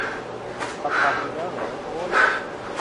ผัดผักอีกแล้วเหรอ โอ๊ย